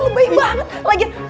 lu baik banget